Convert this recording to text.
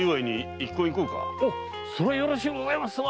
それはよろしゅうございますな！